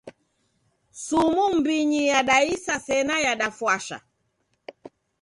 Sumu m'mbinyi yadaisa sena yafwasha.